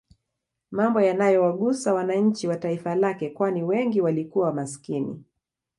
Mambo yanayowagusa wananchi wa taifa lake kwani wengi walikuwa maskini